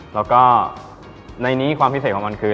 และในนี้ความพิเศษของบรรคืน